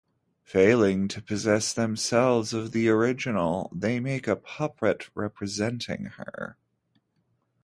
Failing to possess themselves of the original, they make a puppet representing her.